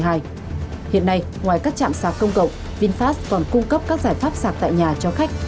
hiện nay ngoài các chạm sạc công cộng vinfast còn cung cấp các giải pháp sạp tại nhà cho khách